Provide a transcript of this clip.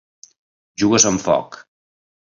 jugues amb foc!